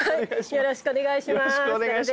よろしくお願いします。